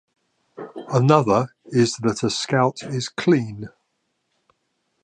Another is that a Scout is "clean".